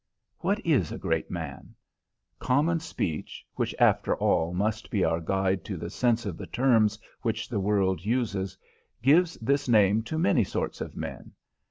What is a great man? Common speech, which after all must be our guide to the sense of the terms which the world uses, gives this name to many sorts of men.